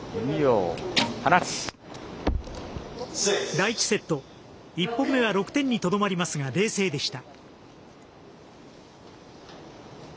第１セット１本目は６点にとどまりますが冷静でした。